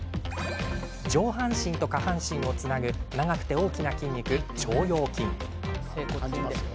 上半身と下半身をつなぐ長くて大きな筋肉、腸腰筋。